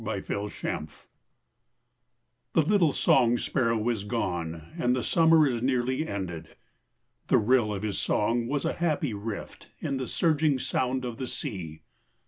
INEFFABLE THINGS The little song sparrow is gone And the summer is nearly ended, The rill of his song was a happy rift In the surging sound of the sea.